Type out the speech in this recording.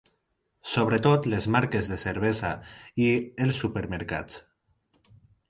Sobretot les marques de cervesa i els supermercats.